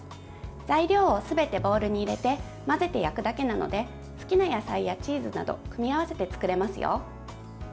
材料をすべてボウルに入れて混ぜて焼くだけなので好きな野菜やチーズなど組み合わせて作れますよ。